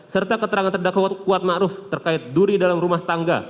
serta keterangan terdakwa kuat ma'ruf terkait duri dalam rumah tangga